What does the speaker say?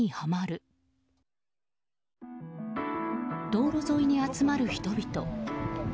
道路沿いに集まる人々。